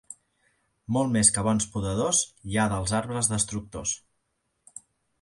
Molt més que bons podadors hi ha dels arbres destructors.